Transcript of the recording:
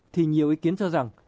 thì nhiều ý kiến cho rằng